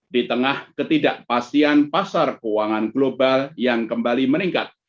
di tengah ketidakpastian pasar keuangan global yang kembali meningkat